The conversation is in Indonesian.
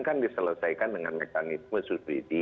kan diselesaikan dengan mekanisme subsidi